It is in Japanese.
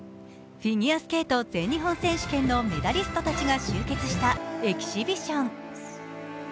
フィギュアスケート全日本選手権のメダリストたちが集結したエキシビション。